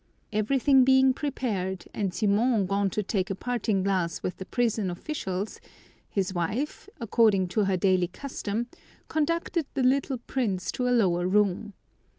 Everything being prepared, and Simon gone to take a parting glass with the prison officials, his wife, according to her daily custom, conducted the little prince to a lower room.